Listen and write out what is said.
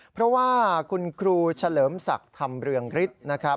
เพราะว่าคุณครูเฉลิมศักดิ์ธรรมเรืองฤทธิ์นะครับ